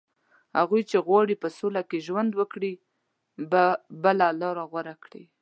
هغوی چې غواړي په سوله کې ژوند وکړي، به بله لاره غوره کړي